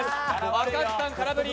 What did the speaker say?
若槻さん空振り。